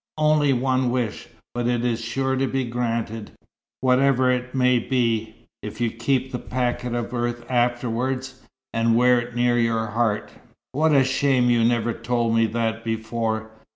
Only one wish, but it is sure to be granted, whatever it may be, if you keep the packet of earth afterwards, and wear it near your heart." "What a shame you never told me that before.